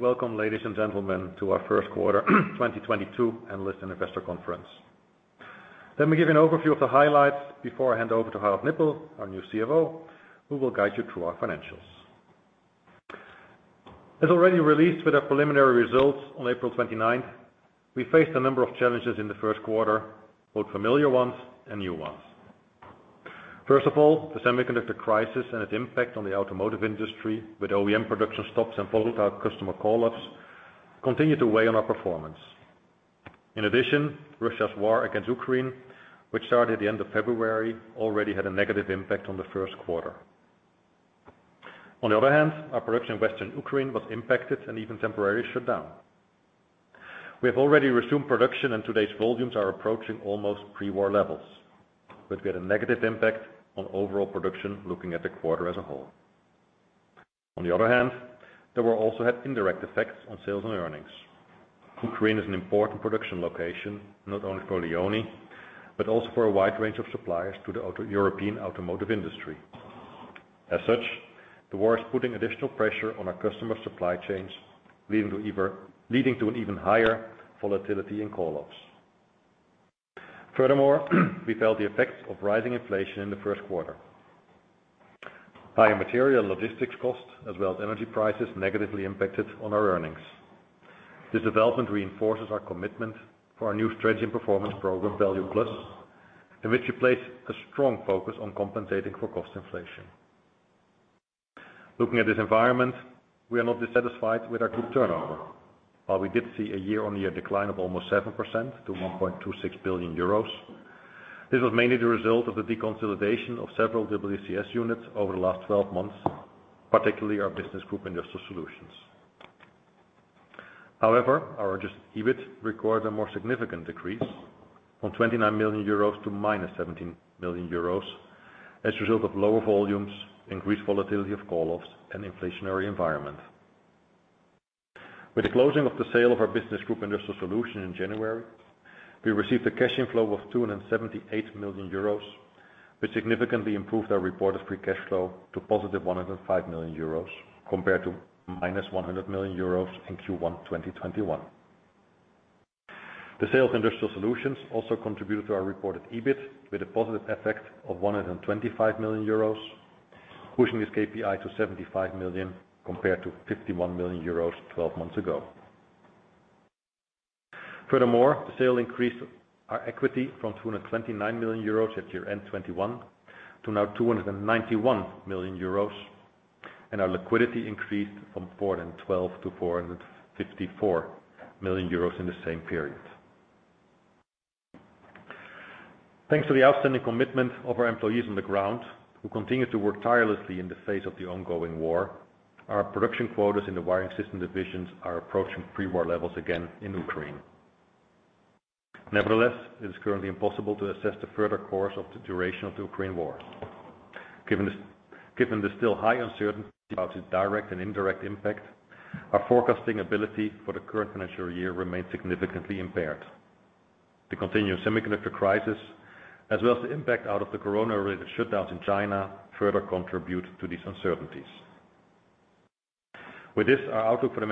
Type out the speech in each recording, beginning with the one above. Welcome, ladies and gentlemen, to our Q1 2022 analyst and investor conference. Let me give you an overview of the highlights before I hand over to Harald Nippel, our new CFO, who will guide you through our financials. As already released with our preliminary results on April 29, we faced a number of challenges in the Q1, both familiar ones and new ones. First of all, the semiconductor crisis and its impact on the automotive industry with OEM production stops and volatile customer call-ups continued to weigh on our performance. In addition, Russia's war against Ukraine, which started at the end of February, already had a negative impact on the Q1. On the other hand, our production in Western Ukraine was impacted and even temporarily shut down. We have already resumed production, and today's volumes are approaching almost pre-war levels, but we had a negative impact on overall production looking at the quarter as a whole. On the other hand, the war also had indirect effects on sales and earnings. Ukraine is an important production location, not only for LEONI, but also for a wide range of suppliers to the European automotive industry. As such, the war is putting additional pressure on our customer supply chains, leading to an even higher volatility in call-offs. Furthermore, we felt the effects of rising inflation in the first Q1. Higher material and logistics costs, as well as energy prices, negatively impacted on our earnings. This development reinforces our commitment for our new strategy and performance program, Value Plus, in which we place a strong focus on compensating for cost inflation. Looking at this environment, we are not dissatisfied with our group turnover. While we did see a year-on-year decline of almost 7% to 1.26 billion euros, this was mainly the result of the deconsolidation of several WCS units over the last 12 months, particularly our Business Group Industrial Solutions. However, our adjusted EBIT required a more significant decrease from 29 million euros to -17 million euros as a result of lower volumes, increased volatility of call-offs, and inflationary environment. With the closing of the sale of our Business Group Industrial Solutions in January, we received a cash inflow of 278 million euros, which significantly improved our report of free cash flow to positive 105 million euros compared to -100 million euros in Q1 2021. The sale of Industrial Solutions also contributed to our reported EBIT with a positive effect of 125 million euros, pushing this KPI to 75 million compared to 51 million euros 12 months ago. Furthermore, the sale increased our equity from 229 million euros at year-end 2021 to now 291 million euros, and our liquidity increased from 412 million to 454 million euros in the same period. Thanks to the outstanding commitment of our employees on the ground, who continue to work tirelessly in the face of the ongoing war, our production quotas in the wiring system divisions are approaching pre-war levels again in Ukraine. Nevertheless, it is currently impossible to assess the further course of the duration of the Ukraine war. Given the still high uncertainty about its direct and indirect impact, our forecasting ability for the current financial year remains significantly impaired. The continuing semiconductor crisis, as well as the impact out of the corona-related shutdowns in China, further contribute to these uncertainties. With this, our outlook for the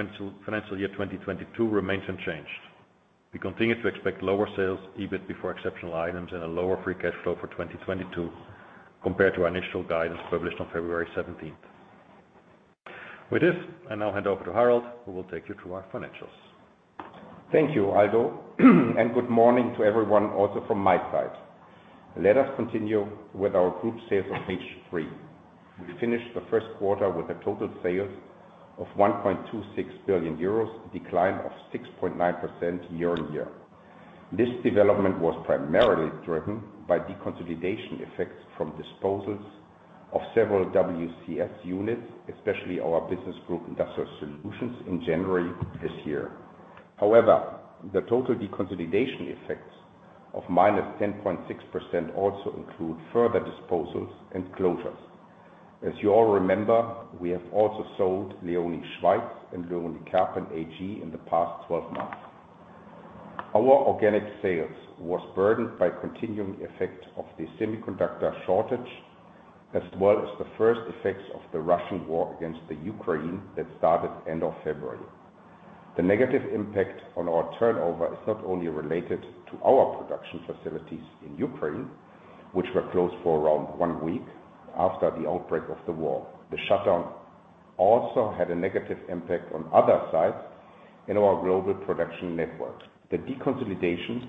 financial year 2022 remains unchanged. We continue to expect lower sales, EBIT before exceptional items, and a lower free cash flow for 2022 compared to our initial guidance published on February 17. With this, I now hand over to Harald, who will take you through our financials. Thank you, Aldo, and good morning to everyone also from my side. Let us continue with our group sales on page three. We finished the Q1 with total sales of 1.26 billion euros, a decline of 6.9% year-on-year. This development was primarily driven by deconsolidation effects from disposals of several WCS units, especially our Business Group Industrial Solutions in January this year. However, the total deconsolidation effects of -10.6% also include further disposals and closures. As you all remember, we have also sold LEONI Schweiz and LEONI Kerpen AG in the past 12 months. Our organic sales was burdened by continuing effect of the semiconductor shortage, as well as the first effects of the Russian war against the Ukraine that started end of February. The negative impact on our turnover is not only related to our production facilities in Ukraine, which were closed for around one week after the outbreak of the war. The shutdown also had a negative impact on other sites in our global production network. The deconsolidations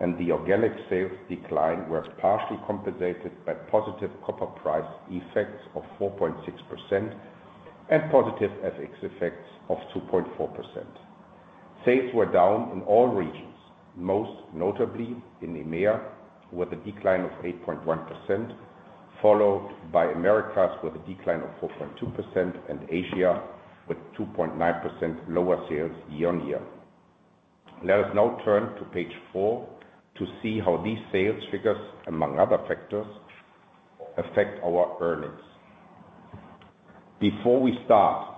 and the organic sales decline were partially compensated by positive copper price effects of 4.6% and positive FX effects of 2.4%. Sales were down in all regions, most notably in EMEA, with a decline of 8.1%, followed by Americas with a decline of 4.2%, and Asia with 2.9% lower sales year on year. Let us now turn to page four to see how these sales figures, among other factors, affect our earnings. Before we start,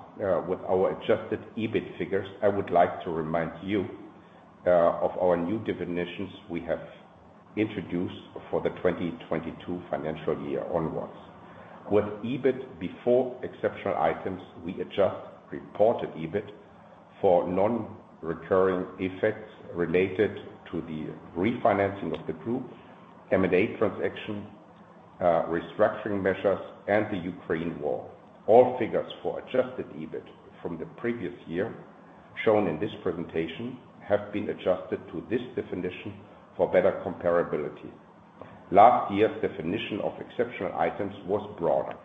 with our adjusted EBIT figures, I would like to remind you of our new definitions we have introduced for the 2022 financial year onwards. With EBIT before exceptional items, we adjust reported EBIT for non-recurring effects related to the refinancing of the group, M&A transaction, restructuring measures, and the Ukraine war. All figures for adjusted EBIT from the previous year shown in this presentation have been adjusted to this definition for better comparability. Last year's definition of exceptional items was broader.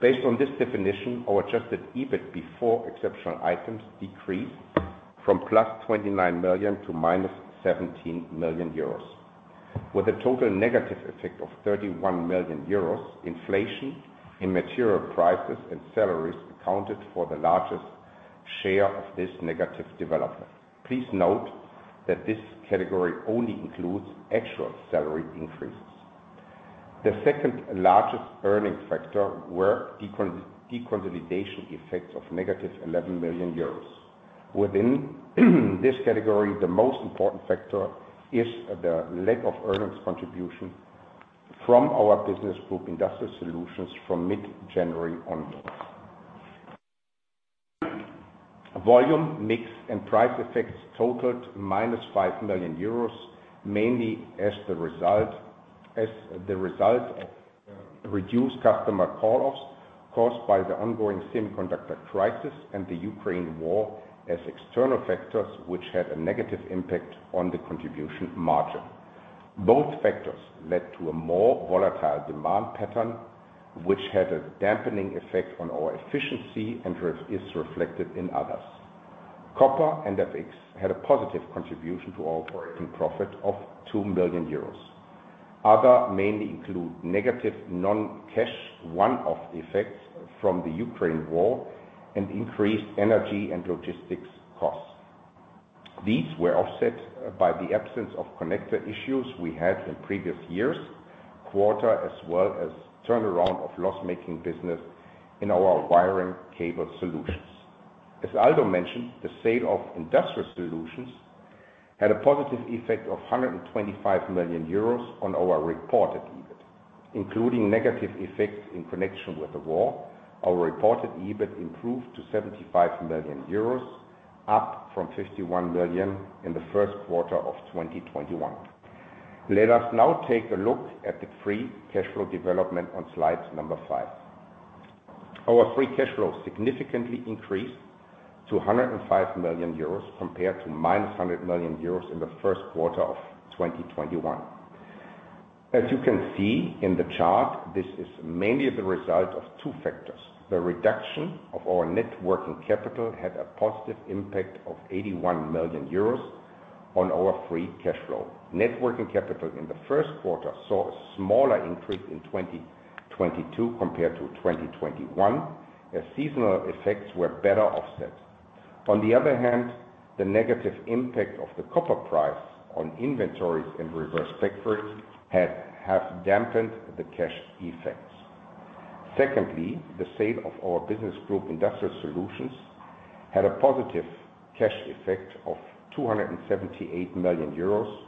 Based on this definition, our adjusted EBIT before exceptional items decreased from +29 million to -17 million euros. With a total negative effect of 31 million euros, inflation in material prices and salaries accounted for the largest share of this negative development. Please note that this category only includes actual salary increases. The second-largest earning factor were deconsolidation effects of negative 11 million euros. Within this category, the most important factor is the lack of earnings contribution from our Business Group Industrial Solutions from mid-January onwards. Volume, mix, and price effects totaled minus 5 million euros, mainly as the result of reduced customer call-offs caused by the ongoing semiconductor crisis and the Ukraine war as external factors which had a negative impact on the contribution margin. Both factors led to a more volatile demand pattern, which had a dampening effect on our efficiency and is reflected in others. Copper and FX had a positive contribution to our operating profit of 2 million euros. Others mainly include negative non-cash, one-off effects from the Ukraine war and increased energy and logistics costs. These were offset by the absence of connector issues we had in previous years' quarter, as well as turnaround of loss-making business in our Wire & Cable Solutions. As Aldo mentioned, the sale of Industrial Solutions had a positive effect of 125 million euros on our reported EBIT, including negative effects in connection with the war. Our reported EBIT improved to 75 million euros, up from 51 million in the Q1 of 2021. Let us now take a look at the free cash flow development on slide number five. Our free cash flow significantly increased to 105 million euros compared to -100 million euros in the Q1 of 2021. As you can see in the chart, this is mainly the result of two factors. The reduction of our net working capital had a positive impact of 81 million euros on our free cash flow. Net working capital in the Q1 saw a smaller increase in 2022 compared to 2021, as seasonal effects were better offset. On the other hand, the negative impact of the copper price on inventories and receivables and payables have dampened the cash effects. Secondly, the sale of our Business Group Industrial Solutions had a positive cash effect of 278 million euros,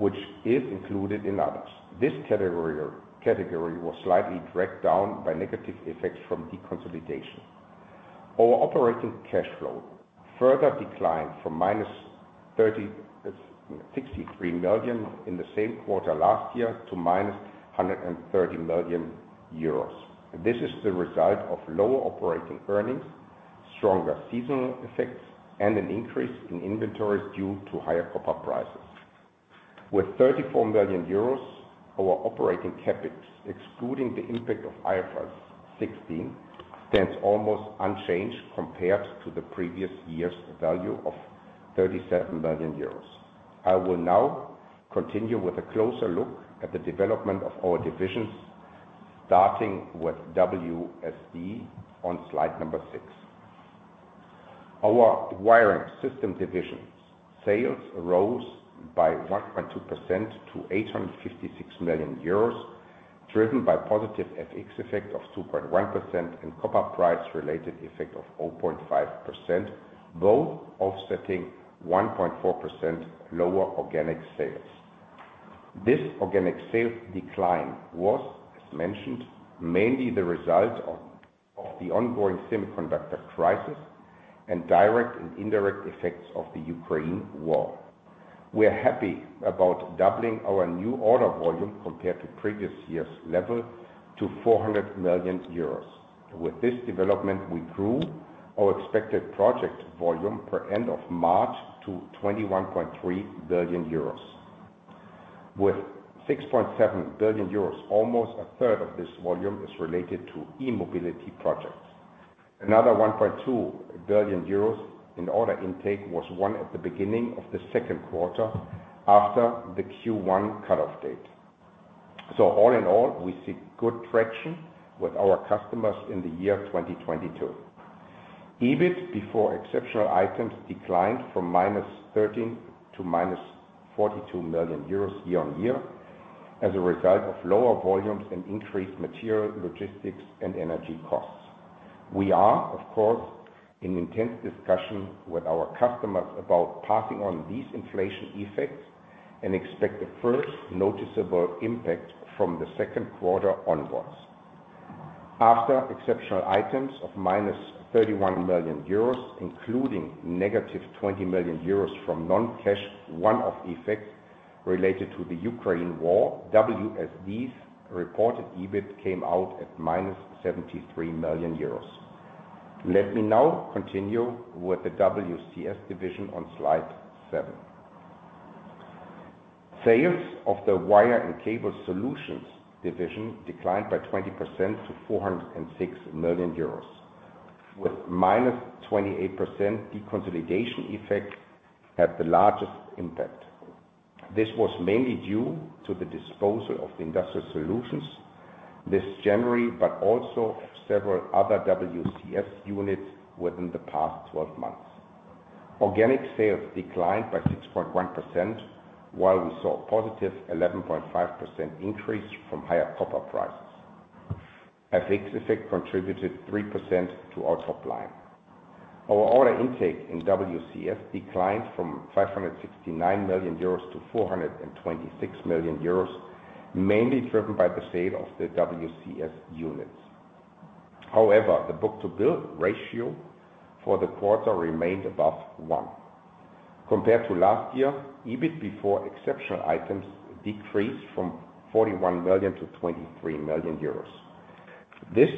which is included in others. This category was slightly dragged down by negative effects from deconsolidation. Our operating cash flow further declined from -63 million in the same quarter last year to -130 million euros. This is the result of lower operating earnings, stronger seasonal effects, and an increase in inventories due to higher copper prices. With 34 million euros, our operating CapEx, excluding the impact of IFRS 16, stands almost unchanged compared to the previous year's value of 37 million euros. I will now continue with a closer look at the development of our divisions, starting with WSD on slide number six. Our Wiring Systems Division sales rose by 1.2% to 856 million euros, driven by positive FX effect of 2.1% and copper price-related effect of 0.5%, both offsetting 1.4% lower organic sales. This organic sales decline was, as mentioned, mainly the result of the ongoing semiconductor crisis and direct and indirect effects of the Ukraine war. We're happy about doubling our new order volume compared to previous year's level to 400 million euros. With this development, we grew our expected project volume by end of March to 21.3 billion euros. With 6.7 billion euros, almost a third of this volume is related to e-mobility projects. Another 1.2 billion euros in order intake was won at the beginning of the Q2 after the Q1 cutoff date. All in all, we see good traction with our customers in 2022. EBIT before exceptional items declined from -13 million--42 million euros year-on-year. As a result of lower volumes and increased material, logistics, and energy costs. We are, of course, in intense discussion with our customers about passing on these inflation effects and expect the first noticeable impact from the Q2 onwards. After exceptional items of -31 million euros, including negative 20 million euros from non-cash one-off effects related to the Ukraine war, WSD's reported EBIT came out at -73 million euros. Let me now continue with the WCS division on slide 7. Sales of the Wire & Cable Solutions division declined by 20% to 406 million euros, with -28% deconsolidation effect at the largest impact. This was mainly due to the disposal of Industrial Solutions this January, but also several other WCS units within the past 12 months. Organic sales declined by 6.1%, while we saw a positive 11.5% increase from higher copper prices. FX effect contributed 3% to our top line. Our order intake in WCS declined from 569 million euros to 426 million euros, mainly driven by the sale of the WCS units. However, the book-to-bill ratio for the quarter remained above one. Compared to last year, EBIT before exceptional items decreased from 41 million to 23 million euros. This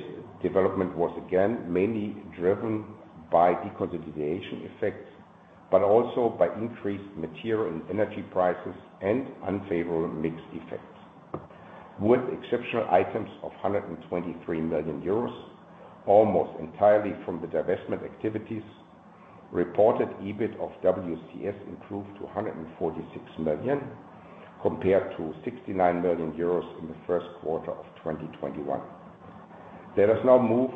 development was again mainly driven by deconsolidation effects, but also by increased material and energy prices and unfavorable mix effects. With exceptional items of 123 million euros, almost entirely from the divestment activities, reported EBIT of WCS improved to 146 million, compared to 69 million euros in the Q1 of 2021. Let us now move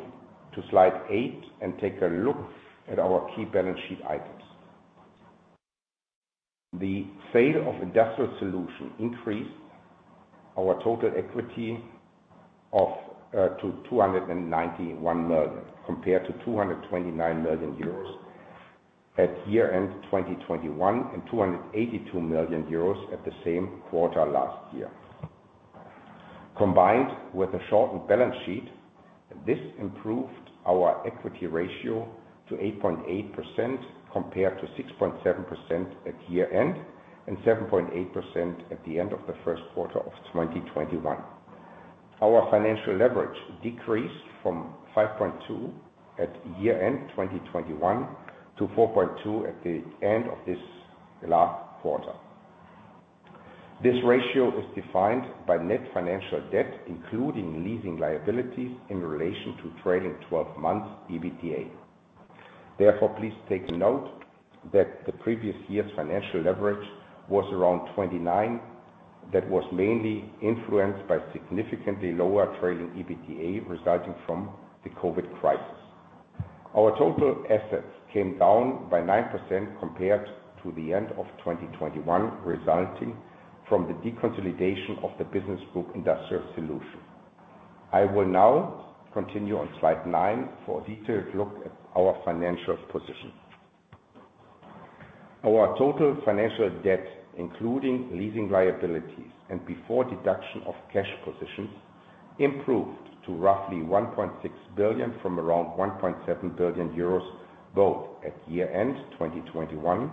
to slide 8 and take a look at our key balance sheet items. The sale of Industrial Solutions increased our total equity to 291 million, compared to 229 million euros at year-end 2021, and 282 million euros at the same quarter last year. Combined with a shortened balance sheet, this improved our equity ratio to 8.8% compared to 6.7% at year-end, and 7.8% at the end of the Q1 of 2021. Our financial leverage decreased from 5.2 at year-end 2021 to 4.2 at the end of this last quarter. This ratio is defined by net financial debt, including leasing liabilities in relation to trailing twelve months EBITDA. Therefore, please take note that the previous year's financial leverage was around 29. That was mainly influenced by significantly lower trailing EBITDA resulting from the COVID crisis. Our total assets came down by 9% compared to the end of 2021, resulting from the deconsolidation of the Business Group Industrial Solutions. I will now continue on slide 9 for a detailed look at our financial position. Our total financial debt, including leasing liabilities and before deduction of cash positions, improved to roughly 1.6 billion from around 1.7 billion euros, both at year-end 2021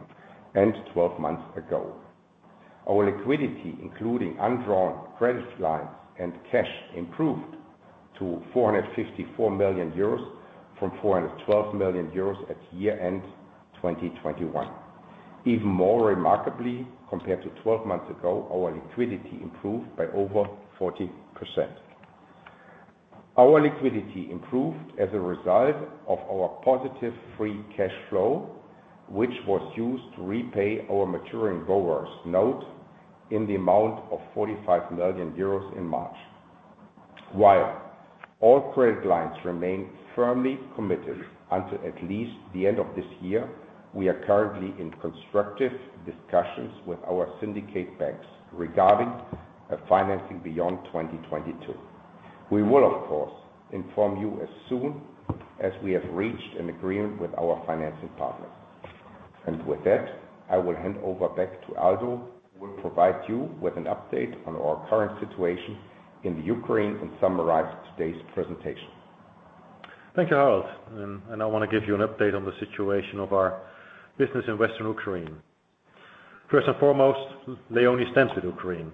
and twelve months ago. Our liquidity, including undrawn credit lines and cash, improved to 454 million euros from 412 million euros at year-end 2021. Even more remarkably, compared to twelve months ago, our liquidity improved by over 40%. Our liquidity improved as a result of our positive free cash flow, which was used to repay our maturing Schuldschein note in the amount of 45 million euros in March. While all credit lines remain firmly committed until at least the end of this year, we are currently in constructive discussions with our syndicate banks regarding a financing beyond 2022. We will, of course, inform you as soon as we have reached an agreement with our financing partners. With that, I will hand over back to Aldo, who will provide you with an update on our current situation in the Ukraine and summarize today's presentation. Thank you, Harald. I want to give you an update on the situation of our business in Western Ukraine. First and foremost, LEONI stands with Ukraine.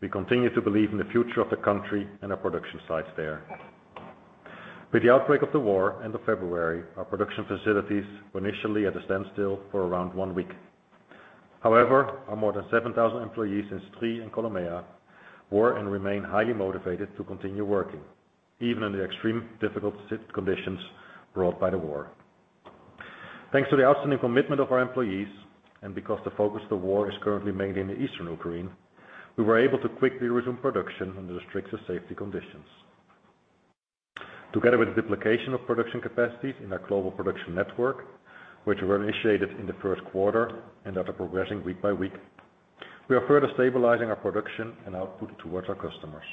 We continue to believe in the future of the country and our production sites there. With the outbreak of the war, end of February, our production facilities were initially at a standstill for around one week. However, our more than 7,000 employees in Stryi and Kolomyia were and remain highly motivated to continue working, even in the extremely difficult conditions brought by the war. Thanks to the outstanding commitment of our employees, and because the focus of the war is currently mainly in the Eastern Ukraine, we were able to quickly resume production under the strictest safety conditions. Together with the duplication of production capacities in our global production network, which were initiated in the Q1 and that are progressing week by week, we are further stabilizing our production and output towards our customers.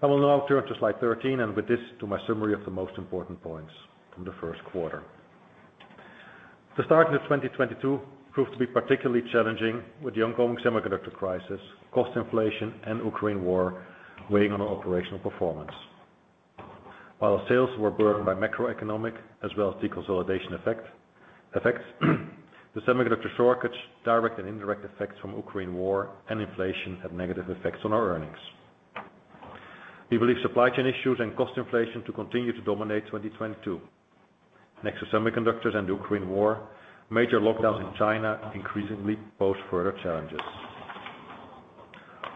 I will now turn to slide 13, and with this to my summary of the most important points from the Q1. The start into 2022 proved to be particularly challenging with the ongoing semiconductor crisis, cost inflation, and Ukraine war weighing on our operational performance. While our sales were burdened by macroeconomic as well as deconsolidation effects, the semiconductor shortage, direct and indirect effects from Ukraine war and inflation had negative effects on our earnings. We believe supply chain issues and cost inflation to continue to dominate 2022. Next to semiconductors and Ukraine war, major lockdowns in China increasingly pose further challenges.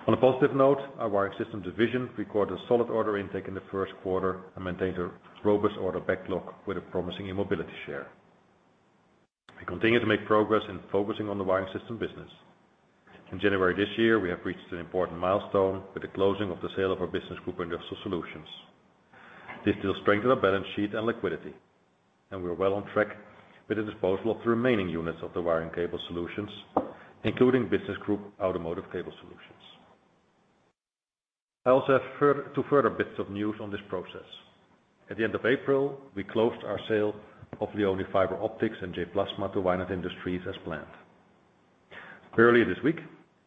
On a positive note, our Wiring Systems Division recorded a solid order intake in the Q1 and maintained a robust order backlog with a promising e-mobility share. We continue to make progress in focusing on the wiring system business. In January this year, we have reached an important milestone with the closing of the sale of our Business Group Industrial Solutions. This will strengthen our balance sheet and liquidity, and we're well on track with the disposal of the remaining units of the Wire & Cable Solutions, including Business Group Automotive Cable Solutions. I also have two further bits of news on this process. At the end of April, we closed our sale of LEONI Fiber Optics and j-plasma to Weinert Industries as planned. Earlier this week,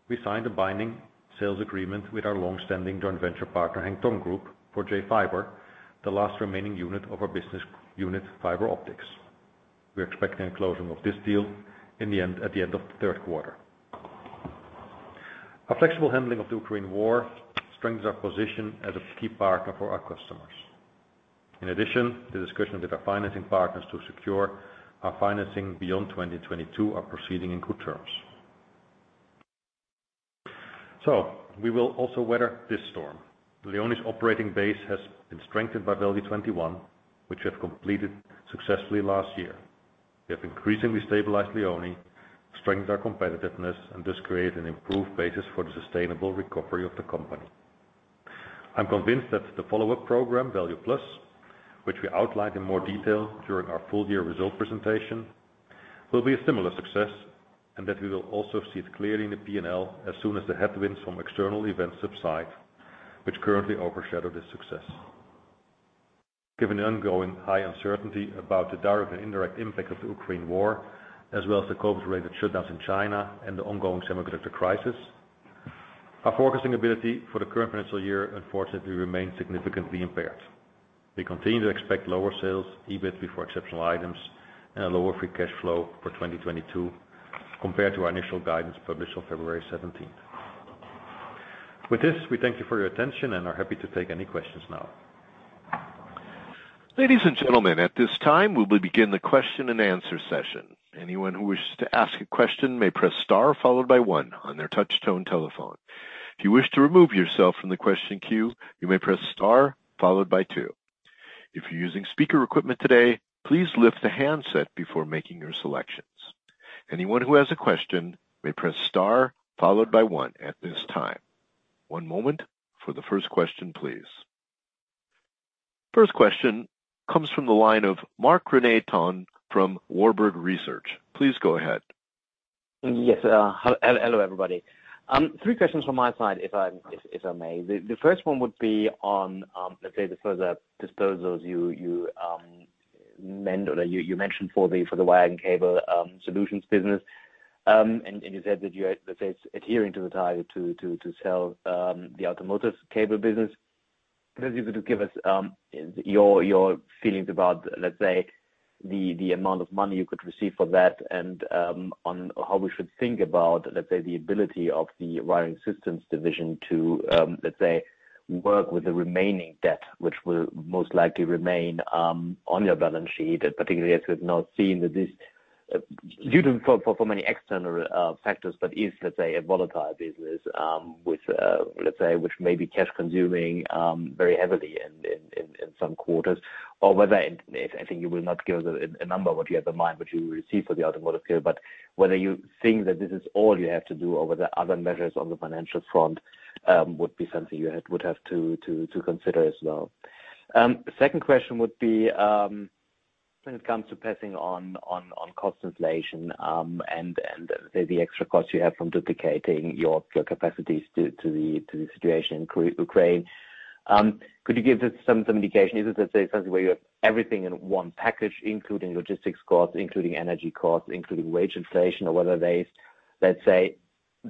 we signed a binding sales agreement with our long-standing joint venture partner, Hengtong Group, for j-fiber, the last remaining unit of our business unit, fiber optics. We're expecting a closing of this deal at the end of the Q3. Our flexible handling of the Ukraine war strengthens our position as a key partner for our customers. In addition, the discussion with our financing partners to secure our financing beyond 2022 are proceeding on good terms. We will also weather this storm. LEONI's operating base has been strengthened by VALUE 21, which we have completed successfully last year. We have increasingly stabilized LEONI, strengthened our competitiveness, and thus created an improved basis for the sustainable recovery of the company. I'm convinced that the follow-up program, Value Plus, which we outlined in more detail during our full-year results presentation, will be a similar success and that we will also see it clearly in the P&L as soon as the headwinds from external events subside, which currently overshadow this success. Given the ongoing high uncertainty about the direct and indirect impact of the Ukraine war, as well as the COVID-related shutdowns in China and the ongoing semiconductor crisis, our forecasting ability for the current financial year unfortunately remains significantly impaired. We continue to expect lower sales, EBIT before exceptional items, and a lower free cash flow for 2022 compared to our initial guidance published on February 17. With this, we thank you for your attention and are happy to take any questions now. Ladies and gentlemen, at this time, we will begin the question and answer session. Anyone who wishes to ask a question may press star followed by one on their touch tone telephone. If you wish to remove yourself from the question queue, you may press star followed by two. If you're using speaker equipment today, please lift the handset before making your selections. Anyone who has a question may press star followed by one at this time. One moment for the first question, please. First question comes from the line of Marc-Rene Tonn from Warburg Research. Please go ahead. Yes. Hello, everybody. Three questions from my side if I may. The first one would be on, let's say, the further disposals you mentioned for the Wire & Cable Solutions business. You said that you're, let's say, adhering to the target to sell the automotive cable business. Could you sort of give us your feelings about, let's say, the amount of money you could receive for that and on how we should think about, let's say, the ability of the Wiring Systems Division to work with the remaining debt which will most likely remain on your balance sheet. Particularly as we've now seen that this, due to many external factors, but let's say is a volatile business, with let's say which may be cash consuming very heavily in some quarters. Or whether, and I think you will not give a number what you have in mind, what you receive for the automotive field, but whether you think that this is all you have to do over the other measures on the financial front, would be something you would have to consider as well. Second question would be, when it comes to passing on cost inflation, and the extra costs you have from duplicating your capacities due to the situation in Ukraine, could you give us some indication? Is it, let's say, something where you have everything in one package, including logistics costs, including energy costs, including wage inflation? Or whether there is, let's say,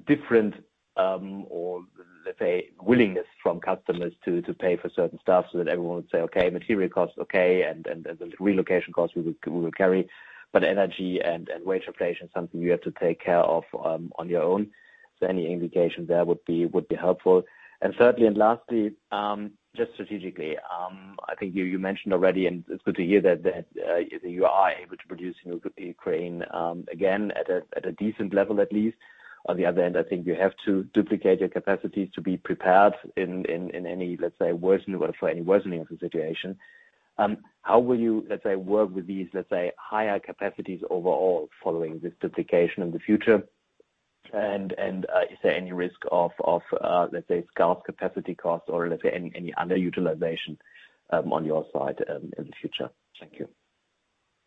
different, or let's say willingness from customers to pay for certain stuff so that everyone would say, "Okay, material costs okay, and the relocation costs we will carry, but energy and wage inflation is something you have to take care of on your own." So any indication there would be helpful. Thirdly and lastly, just strategically, I think you mentioned already and it's good to hear that you are able to produce in Ukraine again at a decent level, at least. On the other hand, I think you have to duplicate your capacities to be prepared in any, let's say, worsening of the situation. How will you, let's say, work with these, let's say, higher capacities overall following this duplication in the future? Is there any risk of scarce capacity costs or let's say any underutilization on your side in the future? Thank you.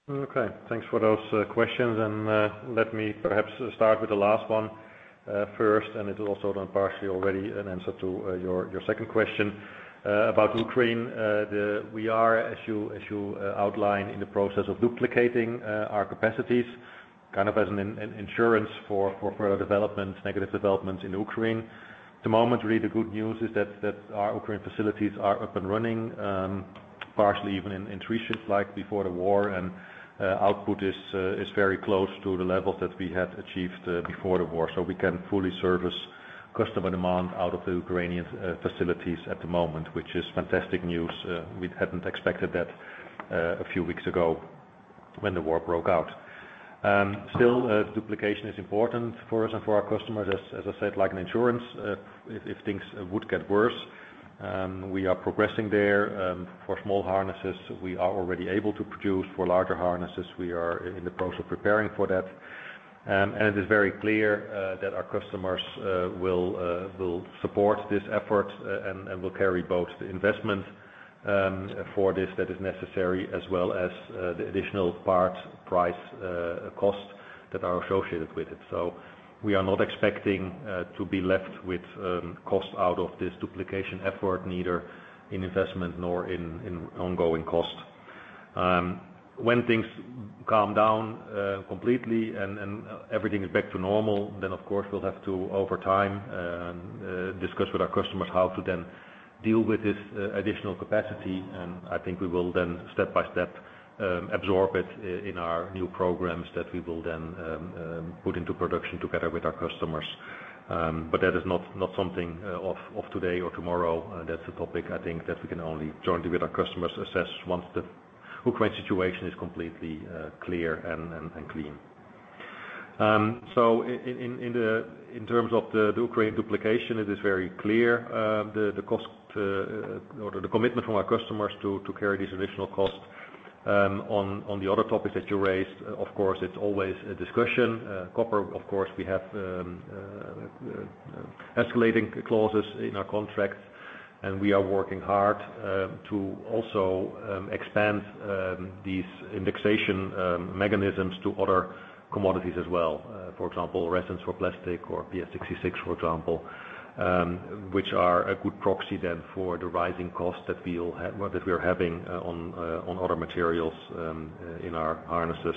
Okay. Thanks for those questions. Let me perhaps start with the last one first, and it is also then partially already an answer to your second question. About Ukraine, we are, as you outline, in the process of duplicating our capacities kind of as an insurance for further negative developments in Ukraine. At the moment, really the good news is that our Ukraine facilities are up and running, partially even in three shifts like before the war, and output is very close to the levels that we had achieved before the war. We can fully service customer demand out of the Ukrainian facilities at the moment, which is fantastic news. We hadn't expected that a few weeks ago when the war broke out. Still, duplication is important for us and for our customers. As I said, like an insurance, if things would get worse, we are progressing there. For small harnesses, we are already able to produce. For larger harnesses, we are in the process of preparing for that. It is very clear that our customers will support this effort and will carry both the investment for this that is necessary, as well as the additional parts price costs that are associated with it. We are not expecting to be left with costs out of this duplication effort, neither in investment nor in ongoing costs. When things calm down completely and everything is back to normal, then of course, we'll have to over time discuss with our customers how to then deal with this additional capacity. I think we will then step by step absorb it in our new programs that we will then put into production together with our customers. That is not something of today or tomorrow. That's a topic I think that we can only jointly with our customers assess once the Ukraine situation is completely clear and clean. In terms of the Ukraine duplication, it is very clear, the cost or the commitment from our customers to carry these additional costs. On the other topics that you raised, of course, it's always a discussion. Copper, of course, we have escalating clauses in our contracts, and we are working hard to also expand these indexation mechanisms to other commodities as well. For example, resins for plastic or PA 66, for example, which are a good proxy then for the rising costs that we are having on other materials in our harnesses.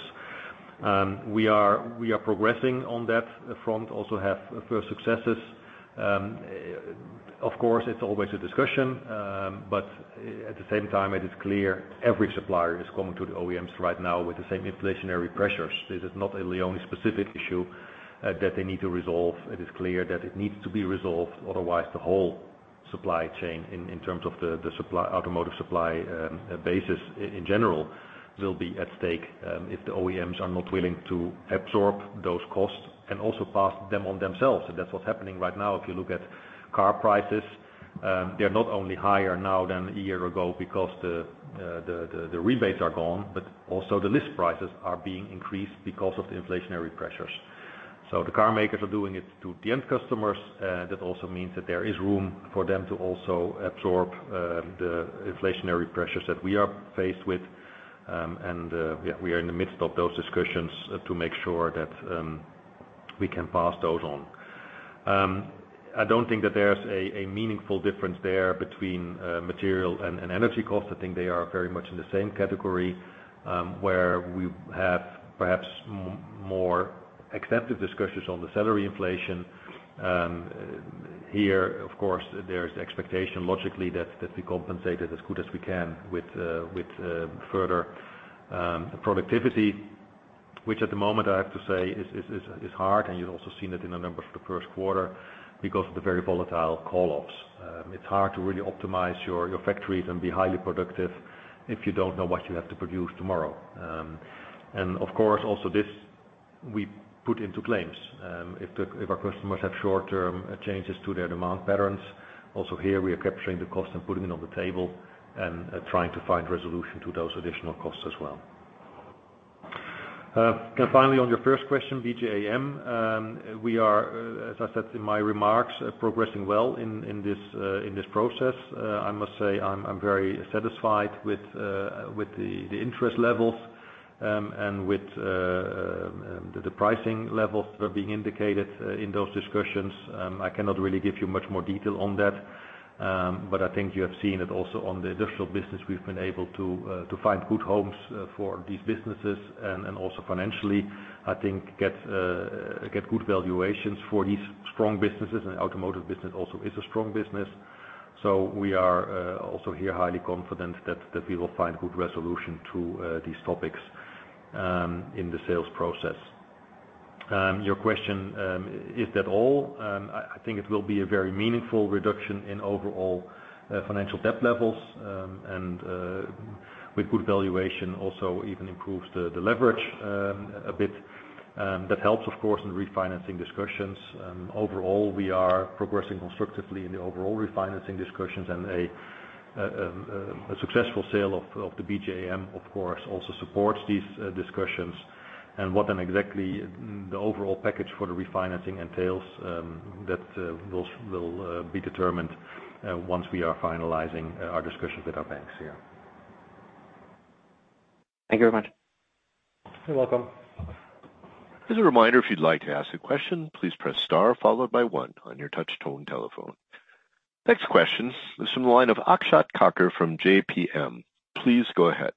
We are progressing on that front, also have first successes. Of course, it's always a discussion, but at the same time, it is clear every supplier is coming to the OEMs right now with the same inflationary pressures. This is not a LEONI-specific issue that they need to resolve. It is clear that it needs to be resolved, otherwise the whole supply chain in terms of the supply automotive supply basis in general will be at stake, if the OEMs are not willing to absorb those costs and also pass them on themselves. That's what's happening right now. If you look at car prices, they're not only higher now than a year ago because the rebates are gone, but also the list prices are being increased because of the inflationary pressures. The car makers are doing it to the end customers. That also means that there is room for them to also absorb the inflationary pressures that we are faced with. We are in the midst of those discussions to make sure that we can pass those on. I don't think that there's a meaningful difference there between material and energy costs. I think they are very much in the same category, where we have perhaps more extensive discussions on the salary inflation. Here, of course, there is expectation logically that we compensate it as good as we can with further productivity, which at the moment I have to say is hard. You've also seen it in the numbers for the Q1 because of the very volatile call-ups. It's hard to really optimize your factories and be highly productive if you don't know what you have to produce tomorrow. Of course, also this we put into claims. If our customers have short-term changes to their demand patterns, also here we are capturing the cost and putting it on the table and trying to find resolution to those additional costs as well. Finally, on your first question, BG AM, we are, as I said in my remarks, progressing well in this process. I must say I'm very satisfied with the interest levels and with the pricing levels that are being indicated in those discussions. I cannot really give you much more detail on that. I think you have seen it also on the additional business we've been able to find good homes for these businesses and also financially, I think get good valuations for these strong businesses. Automotive business also is a strong business. We are also here highly confident that we will find good resolution to these topics in the sales process. Your question is that all? I think it will be a very meaningful reduction in overall financial debt levels, and with good valuation also even improves the leverage a bit. That helps of course in refinancing discussions. Overall, we are progressing constructively in the overall refinancing discussions, and a successful sale of the BG AM, of course, also supports these discussions. What then exactly the overall package for the refinancing entails, that will be determined once we are finalizing our discussions with our banks here. Thank you very much. You're welcome. As a reminder, if you'd like to ask a question, please press star followed by one on your touch tone telephone. Next question is from the line of Akshat Kacker from JPM. Please go ahead.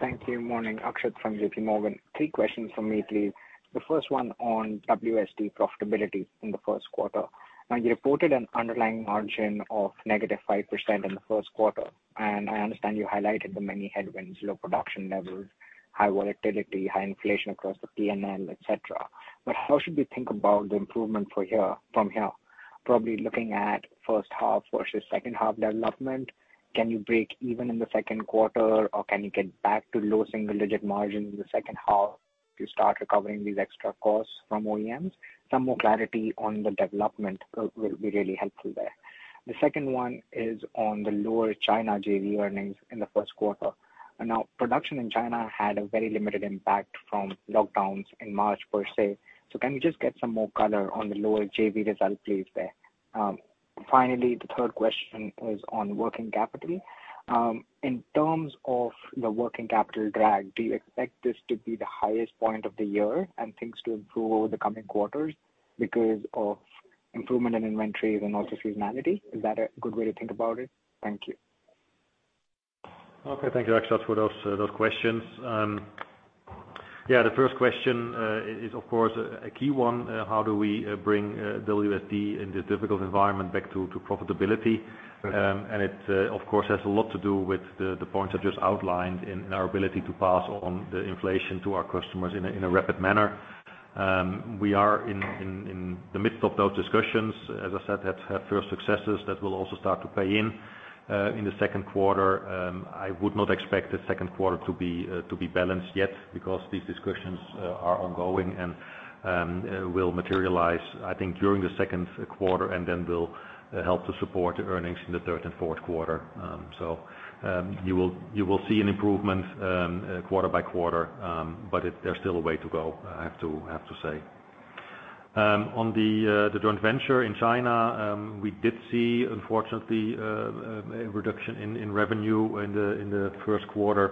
Thank you. Morning, Akshat Kacker from J.P. Morgan. Three questions from me, please. The first one on WSD profitability in the Q1. Now you reported an underlying margin of negative 5% in the Q1, and I understand you highlighted the many headwinds, low production levels, high volatility, high inflation across the PNL, et cetera. How should we think about the improvement for here, from here? Probably looking at H1 versus H2 development. Can you break even in the Q2, or can you get back to low single digit margins in the H2 to start recovering these extra costs from OEMs? Some more clarity on the development will be really helpful there. The second one is on the lower China JV earnings in the Q1. Now, production in China had a very limited impact from lockdowns in March per se. Can we just get some more color on the lower JV result please there? Finally, the third question is on working capital. In terms of the working capital drag, do you expect this to be the highest point of the year and things to improve over the coming quarters because of improvement in inventories and also seasonality? Is that a good way to think about it? Thank you. Okay. Thank you, Akshat, for those questions. The first question is of course a key one. How do we bring WSD in this difficult environment back to profitability? It of course has a lot to do with the points I've just outlined and our ability to pass on the inflation to our customers in a rapid manner. We are in the midst of those discussions. As I said, have had fair successes that will also start to pay in the Q2. I would not expect the Q2 to be balanced yet because these discussions are ongoing and will materialize, I think, during the Q2 and then will help to support earnings in the third and Q4. You will see an improvement quarter by quarter. There's still a way to go, I have to say. On the joint venture in China, we did see, unfortunately, a reduction in revenue in the Q1.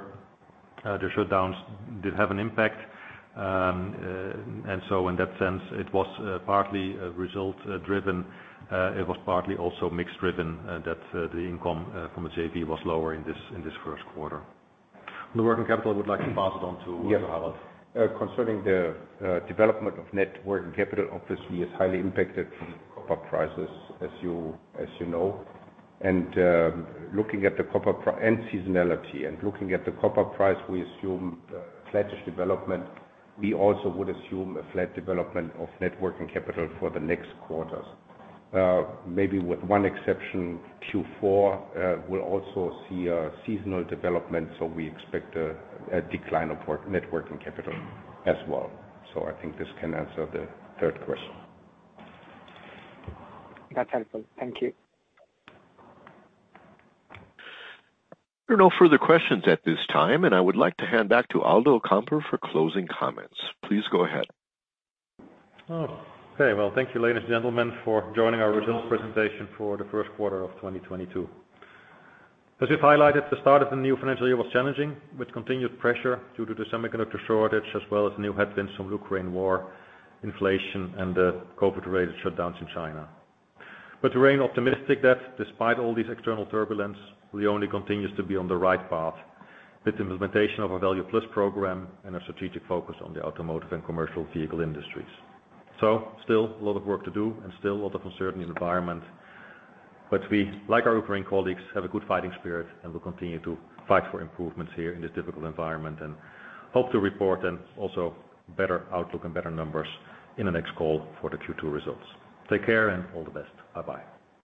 The shutdowns did have an impact. In that sense, it was partly results-driven. It was partly also mix-driven that the income from the JV was lower in this Q1. The working capital, I would like to pass it on to Harald. Concerning the development of net working capital obviously is highly impacted from copper prices, as you, as you know. Looking at the copper price and seasonality and looking at the copper price, we assume flattish development. We also would assume a flat development of net working capital for the next quarters. Maybe with one exception, Q4 will also see a seasonal development. We expect a decline of net working capital as well. I think this can answer the third question. That's helpful. Thank you. There are no further questions at this time, and I would like to hand back to Aldo Kamper for closing comments. Please go ahead. Oh, okay. Well, thank you, ladies and gentlemen, for joining our results presentation for the Q1 of 2022. As we've highlighted, the start of the new financial year was challenging, with continued pressure due to the semiconductor shortage, as well as new headwinds from Ukraine war, inflation and the COVID-related shutdowns in China. We remain optimistic that despite all this external turbulence, LEONI continues to be on the right path with the implementation of our Value plus program and a strategic focus on the automotive and commercial vehicle industries. Still a lot of work to do and still a lot of uncertainty in the environment. We, like our Ukraine colleagues, have a good fighting spirit and will continue to fight for improvements here in this difficult environment and hope to report and also better outlook and better numbers in the next call for the Q2 results. Take care and all the best. Bye-bye.